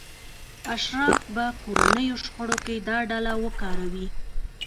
اشراف به کورنیو شخړو کې دا ډله وکاروي.